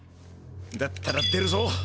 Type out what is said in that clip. だったら出るぞ。